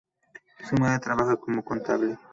Su madre trabaja como contable.